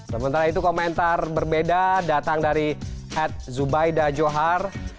sementara itu komentar berbeda datang dari hed zubaida johar